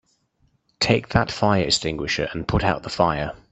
Take that fire extinguisher and put out the fire!